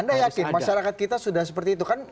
anda yakin masyarakat kita sudah seperti itu kan